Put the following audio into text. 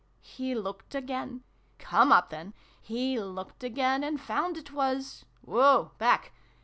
" He looked again come up, then ! He looked again, and found it was woa back